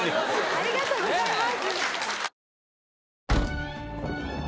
ありがとうございます。